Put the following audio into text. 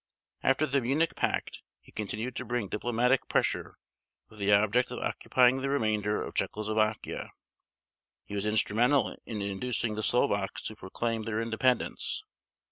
After the Munich Pact he continued to bring diplomatic pressure with the object of occupying the remainder of Czechoslovakia. He was instrumental in inducing the Slovaks to proclaim their independence.